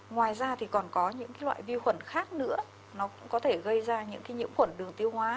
ngoài ra thì còn có những loại vi khuẩn khác nữa nó cũng có thể gây ra những nhiễm khuẩn đường tiêu hóa